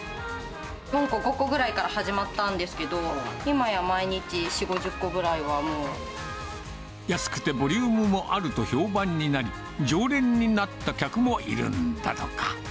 ４個、５個ぐらいから始まったんですけど、今や毎日、４、安くてボリュームもあると評判になり、常連になった客もいるんだとか。